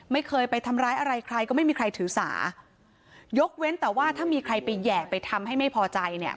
ไม่เคยไปทำร้ายอะไรใครก็ไม่มีใครถือสายกเว้นแต่ว่าถ้ามีใครไปแห่ไปทำให้ไม่พอใจเนี่ย